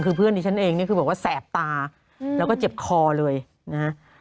คือเพื่อนที่ฉันเองนี่คือบอกว่าแสบตาแล้วก็เจ็บคอเลยนะฮะ